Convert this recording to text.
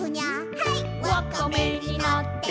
はい。